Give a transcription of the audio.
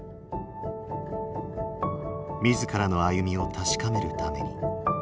自らの歩みを確かめるために。